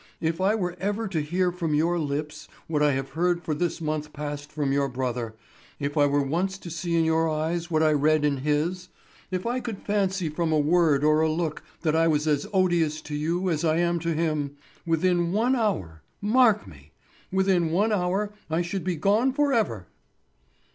If I were ever to hear from your lips what I have heard for this month past from your brother, if I were once to see in your eyes what I read in his, if I could fancy from a word or a look that I was as odious to you as I am to him—within one hour, mark me—within one hour I should be gone forever."